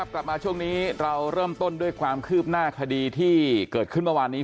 กลับมาช่วงนี้เราเริ่มต้นด้วยความคืบหน้าคดีที่เกิดขึ้นเมื่อวานนี้